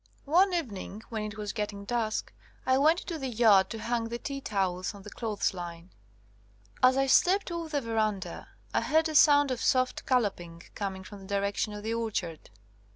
One eve ning when it was getting dusk I went into the yard to hang the tea towels on the clothes line. As I stepped off the verandah, I heard a sound of soft galloping coming from the direction of the orchard.